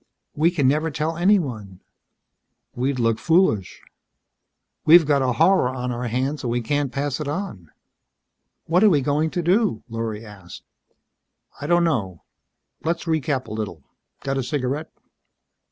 "We can never tell anyone." "We'd look foolish." "We've got a horror on our hands and we can't pass it on." "What are we going to do?" Lorry asked. "I don't know. Let's recap a little. Got a cigarette?"